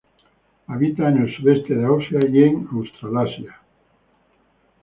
Habita en el sudeste de Asia y en Australasia.